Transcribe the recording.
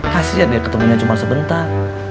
kasian ya ketemunya cuma sebentar